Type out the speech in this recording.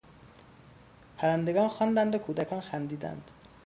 پرندگان خواندند و کودکان خندیدند.